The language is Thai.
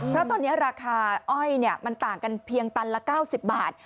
เพราะตอนนี้ราคาอ้อยเนี่ยมันต่างกันเพียงตันละเก้าสิบบาท